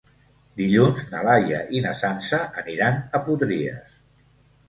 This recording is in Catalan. Dilluns na Laia i na Sança aniran a Potries.